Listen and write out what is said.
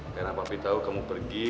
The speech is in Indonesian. karena papi tau kamu pergi